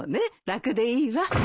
楽でいいわ。